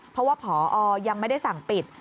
เพราะว่าผอยังไม่ได้สั่งปิด